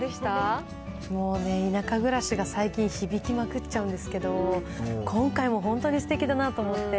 もうね、田舎暮らしが最近響きまくっちゃうんですけど、今回も本当にすてきだなと思って。